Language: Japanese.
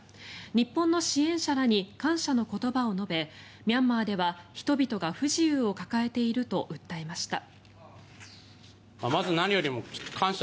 日本の支援者らに感謝の言葉を述べミャンマーでは人々が不自由を抱えていると訴えました。